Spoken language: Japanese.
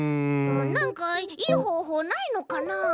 なんかいいほうほうないのかな？